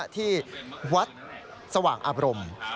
ที่วัดสว่างอาบรม